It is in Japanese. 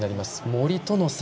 森との差